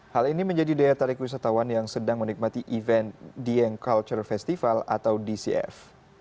hal ini menjadi daya tarik wisatawan yang sedang menikmati event dieng culture festival atau dcf